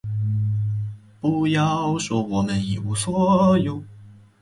不要说我们一无所有，